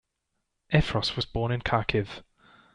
Efros was born in Kharkiv.